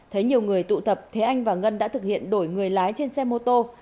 thấy nhiều người tụ tập thế anh và ngân đã thực hiện đổi người lái trên xe mô tô